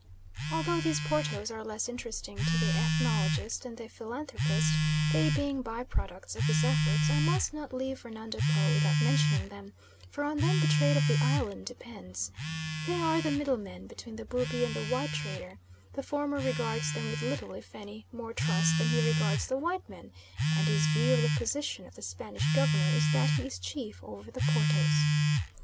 Although these Portos are less interesting to the ethnologist than the philanthropist, they being by products of his efforts, I must not leave Fernando Po without mentioning them, for on them the trade of the island depends. They are the middlemen between the Bubi and the white trader. The former regards them with little, if any, more trust than he regards the white men, and his view of the position of the Spanish Governor is that he is chief over the Portos.